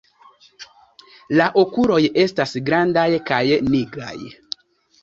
La okuloj estas grandaj kaj nigraj.